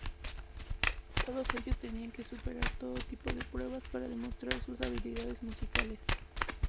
Todos ellos tenían que superar todo tipo de pruebas para demostrar sus habilidades musicales.